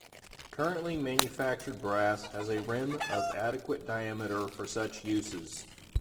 Currently manufactured brass has a rim of adequate diameter for such uses.